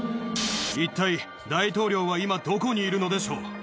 一体、大統領は今、どこにいるのでしょう。